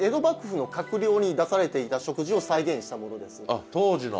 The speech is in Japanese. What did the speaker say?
あ当時の。